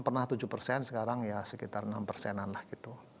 pernah tujuh persen sekarang ya sekitar enam persenan lah gitu